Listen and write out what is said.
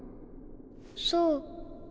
そう。